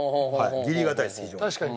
義理堅いです非常に。